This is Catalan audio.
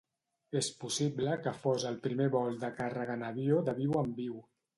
És possible que fos el primer vol de càrrega en avió de viu en viu.